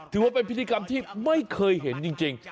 ถือว่าเป็นพิธีกรรมที่ไม่เคยเห็นจริง